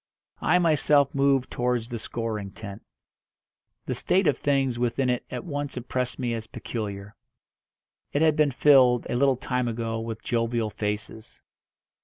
I myself moved towards the scoring tent. The state of things within it at once impressed me as peculiar. It had been filled, a little time ago, with jovial faces.